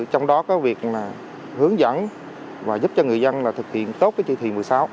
trong đó có việc hướng dẫn và giúp cho người dân thực hiện tốt cái chỉ thị một mươi sáu